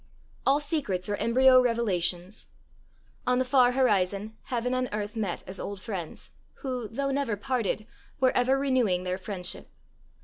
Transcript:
All secrets are embryo revelations. On the far horizon heaven and earth met as old friends, who, though never parted, were ever renewing their friendship.